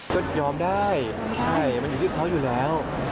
ก็ยอมได้ใช่มันอยู่ที่เขาอยู่แล้ว